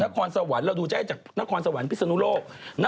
ครสวรรค์เราดูจะให้จากนครสวรรค์พิศนุโลก